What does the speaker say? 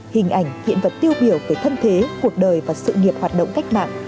hình ảnh hiện vật tiêu biểu về thân thế cuộc đời và sự nghiệp hoạt động cách mạng